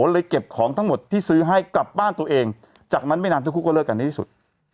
เลยเก็บของทั้งหมดที่ซื้อให้กลับบ้านตัวเองจากนั้นไม่นานทั้งคู่ก็เลิกกันในที่สุด